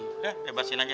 udah lepasin aja